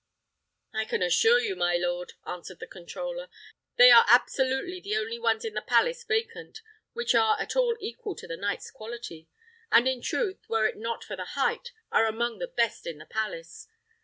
"I can assure you, my lord," answered the controller, "they are absolutely the only ones in the palace vacant which are at all equal to the knight's quality; and in truth, were it not for the height, are among the best in the place.